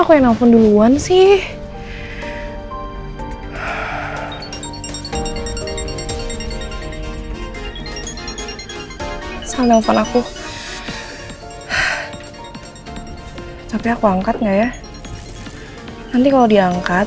kan belum diangkat